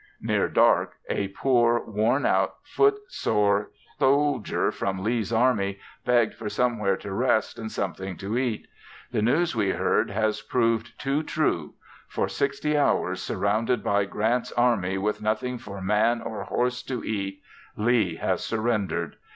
Near dark a poor worn out foot sore soldier from Lee's army begged for somewhere to rest, and something to eat. The news we heard has proved too true; for sixty hours surrounded by Grant's army with nothing for man or horse to eat, Lee has surrendered!